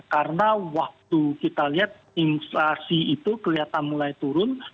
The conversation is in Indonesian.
karena waktu kita lihat inflasi itu kelihatan mulai turun